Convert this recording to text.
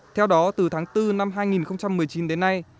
theo đó từ tháng bốn năm hai nghìn một mươi chín đến nay